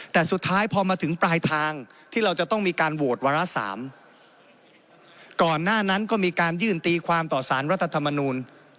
แต่สุดท้ายพอมาถึงปลายทางที่เราจะต้องมีการโหวตวาระสามก่อนหน้านั้นก็มีการยื่นตีความต่อสารรัฐธรรมนูล